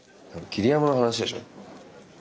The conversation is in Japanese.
桐山の話でしょ？